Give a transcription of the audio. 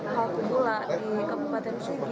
kalau tsunami tak tsunami